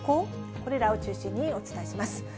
これらを中心にお伝えします。